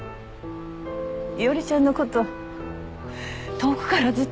伊織ちゃんのこと遠くからずっと気に掛けてたの。